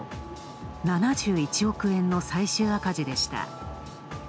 ７１億円の最終赤字でした。